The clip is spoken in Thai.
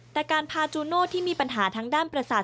แต่การพาจูโน่ที่มีปัญหาทางด้านประสาท